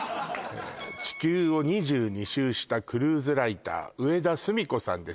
地球を２２周したクルーズライター上田寿美子さんです